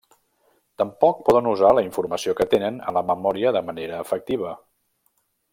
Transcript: Tampoc poden usar la informació que tenen en la memòria de manera efectiva.